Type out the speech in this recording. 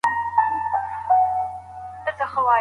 د نجونو زده کړه د روغتیا سره څه اړیکه لري؟